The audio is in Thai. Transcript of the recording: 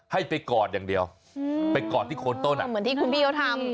ให้ไปกอดอย่างเดียวไปกอดที่โคนต้นอ่ะเหมือนที่คุณพี่เขาทำ